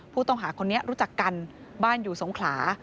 ผู้ต้องหาคนนี้รู้จักกันบ้านอยู่สงขลา